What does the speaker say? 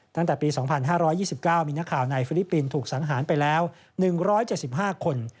ตั้งแต่ปี๒๕๒๙มีนักข่าวในฟิลิปปินส์ถูกสังหารไปแล้ว๑๗๕คน